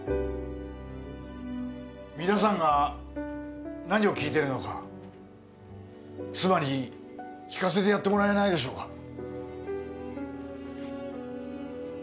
皆さんが何を聴いてるのか妻に聴かせてやってもらえないでしょうか